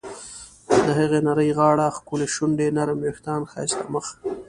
د هغې نرۍ غاړه، ښکلې شونډې ، نرم ویښتان، ښایسته مخ..